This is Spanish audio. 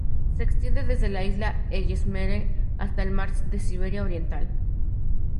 Se extiende desde la isla de Ellesmere hasta el mar de Siberia Oriental.